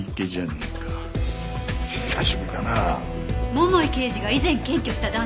桃井刑事が以前検挙した男性？